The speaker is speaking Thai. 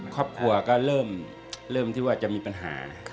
ครอบครัวก็เริ่มที่ว่าจะมีปัญหา